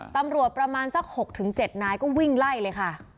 ประมาณสัก๖๗นายก็วิ่งไล่เลยค่ะ